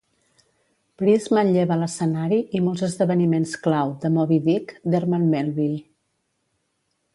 Price manlleva l'escenari i molts esdeveniments clau de "Moby-Dick" d'Herman Melville.